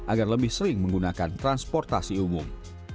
agar lebih sering menggunakan transportasi umum